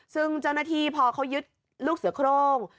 ซึ่งเจ้าหน้าที่พอเขายึดลูกเสือโครง